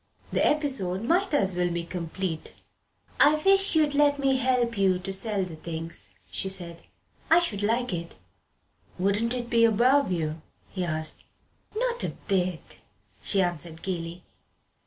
The episode might as well be complete. "I wish you'd let me help you to sell the things," she said. "I should like it." "Wouldn't you be above it?" he asked. "Not a bit," she answered gaily.